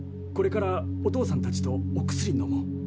これからお父さんたちとお薬のもう。